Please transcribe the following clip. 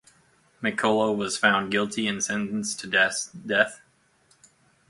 McCulloch was found guilty and sentenced to death.